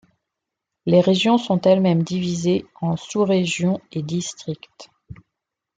Les régions sont elles-mêmes divisées en sous-régions et districts.